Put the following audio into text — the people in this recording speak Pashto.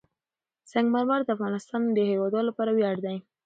سنگ مرمر د افغانستان د هیوادوالو لپاره ویاړ دی.